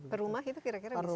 perumah itu kira kira bisa dapat